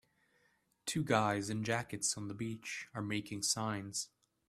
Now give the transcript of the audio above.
Two guys in jackets on the beach are making signs.